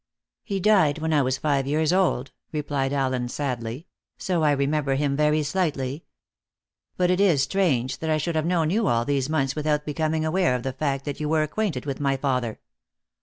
"He died when I was five years old," replied Allen sadly, "so I remember him very slightly. But it is strange that I should have known you all these months without becoming aware of the fact that you were acquainted with my father."